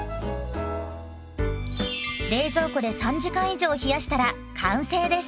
冷蔵庫で３時間以上冷やしたら完成です。